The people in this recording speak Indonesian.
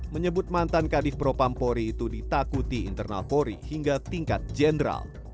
menyebut mantan kadif propampori itu ditakuti internal polri hingga tingkat jenderal